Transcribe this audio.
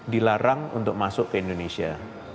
dilarang untuk masuk ke indonesia